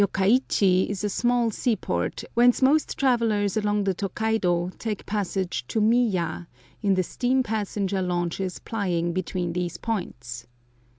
Yokka ichi is a small seaport, whence most travellers along the Tokaido take passage to Miya in the steam passenger launches plying between these points.